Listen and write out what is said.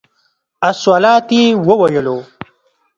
الصلواة یې ویلو.